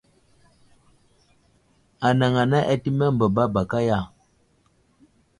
Anaŋ anay atəmeŋ baba baka ya ?